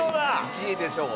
１位でしょう。